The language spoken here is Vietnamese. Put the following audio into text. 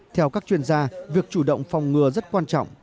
theo các chuyên gia việc chủ động phòng ngừa rất quan trọng